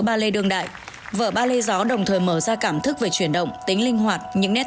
ba lê đương đại vở ba lê gió đồng thời mở ra cảm thức về chuyển động tính linh hoạt những nét